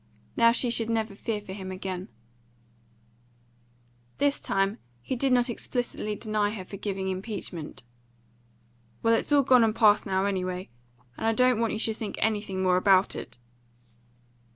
Now she should never fear for him again. This time he did not explicitly deny her forgiving impeachment. "Well, it's all past and gone now, anyway; and I don't want you should think anything more about it."